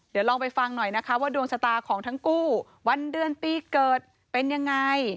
เดี๋ยวลองไปฟังหน่อยนะคะว่าดวงชะตาของทั้งคู่วันเดือนปีเกิดเป็นยังไง